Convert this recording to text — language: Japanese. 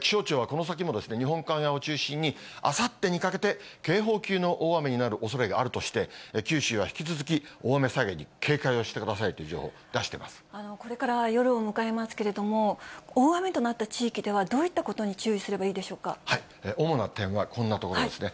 気象庁はこの先も日本海側を中心に、あさってにかけて警報級の大雨になるおそれがあるとして、九州は引き続き大雨災害に警戒をしてくださいという情報、出してこれから夜を迎えますけれども、大雨となった地域では、どういったことに注意すればいい主な点はこんなところですね。